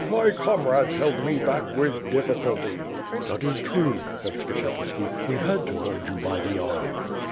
My comrades held me back with difficulty." "That is true," said Skshetuski. "We had to hold you by the arm."